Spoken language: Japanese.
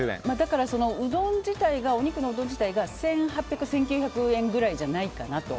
お肉のうどん自体が１８００円１９００円くらいじゃないかなと。